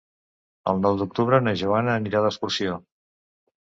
El nou d'octubre na Joana anirà d'excursió.